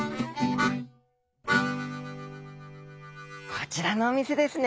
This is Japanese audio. こちらのお店ですね？